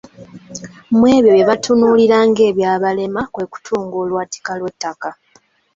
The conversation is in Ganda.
Mu ebyo bye batunuulira ng'ebyabalema kwe kutunga olwatika lw'ettaka.